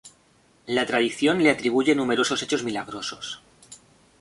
La tradición le atribuye numerosos hechos milagrosos.